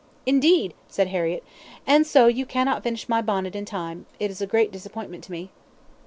"Indeed!" said Harriett, "and so you cannot finish my bonnet in time it is a great disappointment to me."